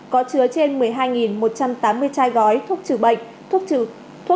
có chứa trên một mươi hai một trăm tám mươi chai gói thuốc trừ bệnh thuốc trừ thuốc